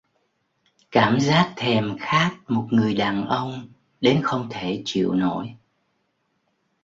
Cảm giác thèm khát một người đàn ông đến không thể chịu nổi